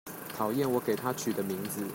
討厭我給她取的名字